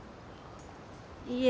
いえ。